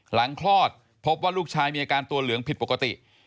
คลอดพบว่าลูกชายมีอาการตัวเหลืองผิดปกติ